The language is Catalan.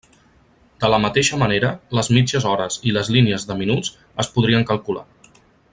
De la mateixa manera, les mitges hores i les línies de minuts es podrien calcular.